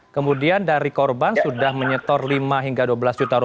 kemudian dari korban sudah menyetor lima hingga dua belas juta rupiah ini full di setoran